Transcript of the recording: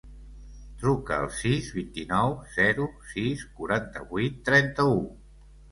Truca al sis, vint-i-nou, zero, sis, quaranta-vuit, trenta-u.